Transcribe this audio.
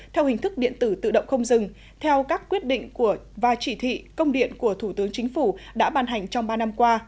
theo hình thức điện tử tự động không dừng theo các quyết định và chỉ thị công điện của thủ tướng chính phủ đã ban hành trong ba năm qua